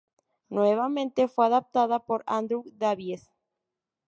Nuevamente fue adaptada por Andrew Davies.